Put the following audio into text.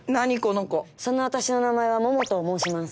そんな私の名前はモモと申します。